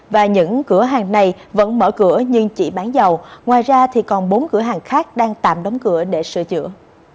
và những cửa hàng này vẫn mở cửa nhưng chỉ bán dầu ngoài ra thì còn bốn cửa hàng khác đang tạm đóng cửa để sửa chữa